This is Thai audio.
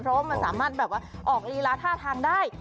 เพราะว่ามันสามารถแบบว่าออกลีลาท่าทางได้